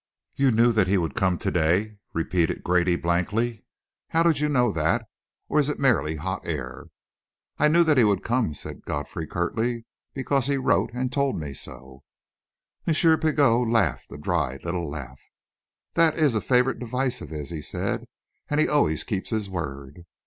"You knew that he would come to day?" repeated Grady blankly. "How did you know that or is it merely hot air?" "I knew that he would come," said Godfrey, curtly, "because he wrote and told me so." M. Pigot laughed a dry little laugh. "That is a favourite device of his," he said; "and he always keeps his word."